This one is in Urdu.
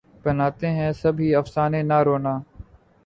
بناتے ہیں سب ہی افسانے نہ رونا